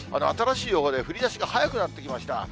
新しい予報では、降りだしが早くなってきました。